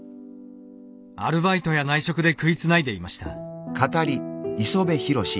アルバイトや内職で食いつないでいました。